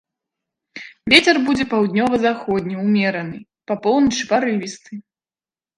Вецер будзе паўднёва-заходні ўмераны, па поўначы парывісты.